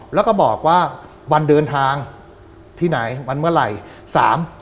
แล้วก็บอกว่าวันเดินทางที่ไหนวันเมื่อไหร่สาม